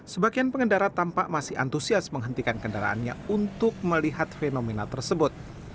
sebagian pengendara tampak masih antusias menghentikan kendaraannya untuk melihat fenomena tersebut